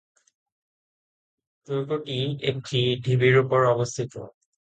দুর্গটি একটি ঢিবির উপর অবস্থিত।